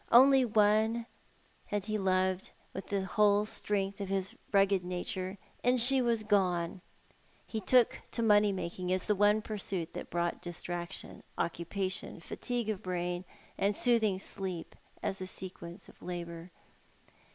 One only had he loved with the whole strength of his rugged nature, and she was gone. He took to money making as tlie one pursuit that brought dis traction, occupation, fatigue of brain, and soothing sleep as the sequence of labour.